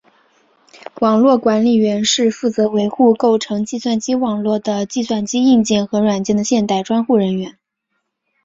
网络管理员是负责维护构成计算机网络的计算机硬件和软件的现代专业人员。